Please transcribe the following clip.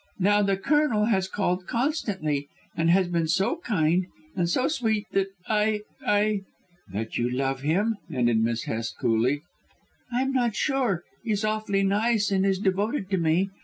Now, the Colonel has called constantly, and has been so kind and so sweet that I I " "That you love him," ended Miss Hest coolly. "I'm not sure. He's awfully nice and is devoted to me.